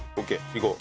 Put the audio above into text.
いこう。